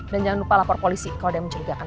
dan jangan lupa lapor polisi kalau ada yang disiagakan